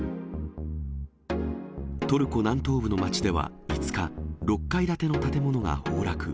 トルコ南東部の町では５日、６階建ての建物が崩落。